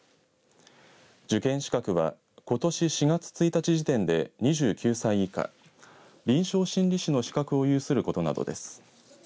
受験資格はことし４月１日時点で２９歳以下臨床心理士の資格を有することなどです。